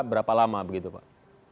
berapa lama begitu pak